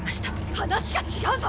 話が違うぞ！